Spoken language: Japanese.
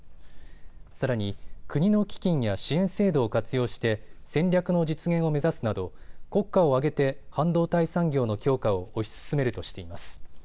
さらに国の基金や支援制度を活用して戦略の実現を目指すなど国家を挙げて半導体産業の強化を推し進めるとしています。